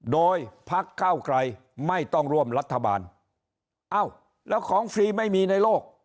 โดยพักเก้าไกรไม่ต้องร่วมรัฐบาลเอ้าแล้วของฟรีไม่มีในโลก